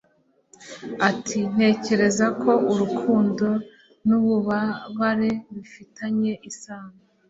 ati ntekereza ko urukundo n'ububabare bifitanye isano